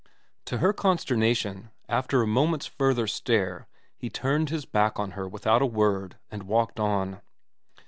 To her consternation, after a moment's further stare he turned his back on her without a word and walked on.